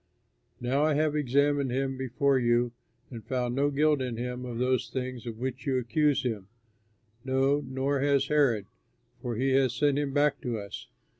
Now I have examined him before you and found no guilt in him of those things of which you accuse him; no, nor has Herod, for he has sent him back to us.